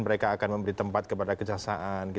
mereka akan memberi tempat kepada kejaksaan